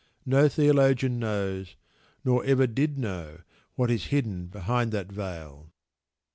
No theologian knows, nor ever did know, what is hidden behind that veil.